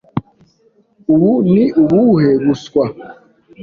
Ubu ni ubuhe buswa?